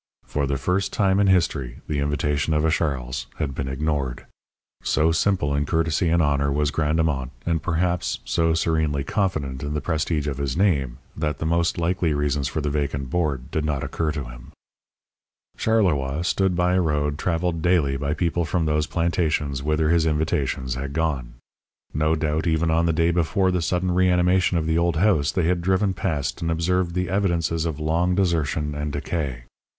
For the first time in history the invitation of a Charles had been ignored. So simple in courtesy and honour was Grandemont, and, perhaps, so serenely confident in the prestige of his name, that the most likely reasons for the vacant board did not occur to him. Charleroi stood by a road travelled daily by people from those plantations whither his invitations had gone. No doubt even on the day before the sudden reanimation of the old house they had driven past and observed the evidences of long desertion and decay.